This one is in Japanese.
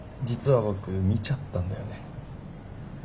実は僕見ちゃったんだよね。